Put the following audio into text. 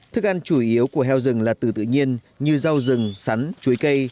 thức ăn chủ yếu của heo rừng là từ tự nhiên như rau rừng sắn chuối cây